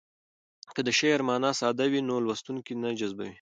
که د شعر مانا ساده وي نو لوستونکی نه جذبوي.